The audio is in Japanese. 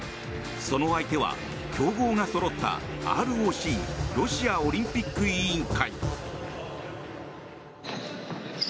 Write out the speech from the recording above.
その相手は強豪がそろったＲＯＣ・ロシアオリンピック委員会。